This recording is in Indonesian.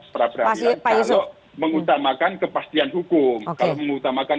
pra peradilan kalau mengutamakan